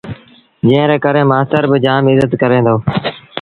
جݩهݩ ري ڪري مآستر با جآم ازت ڪري دو